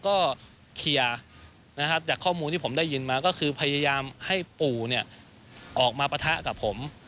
ก็เคลียร์นะครับจากข้อมูลที่ผมได้ยินมาก็คือพยายามให้ปู่เนี่ยออกมาปะทะกับผม